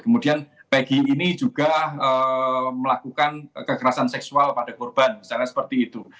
kemudian pg ini juga melakukan kekerasan seksual pada korban misalnya seperti itu